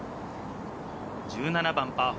１７番パー４。